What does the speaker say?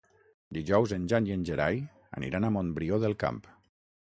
Dijous en Jan i en Gerai aniran a Montbrió del Camp.